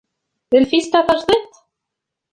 D lfista tajdidt?